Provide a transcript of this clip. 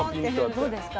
どうですか？